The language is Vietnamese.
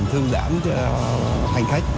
thương giãn cho hành khách